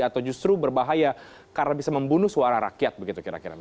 atau justru berbahaya karena bisa membunuh suara rakyat begitu kira kira